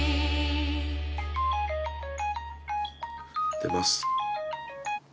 出ます。